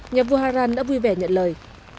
nhà vua hà ràn đã vui vẻ nhận lời